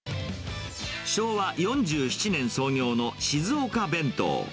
昭和４７年創業の静岡弁当。